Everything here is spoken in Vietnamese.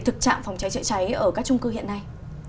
thực trạng phòng cháy chữa cháy ở các trung cư hiện nay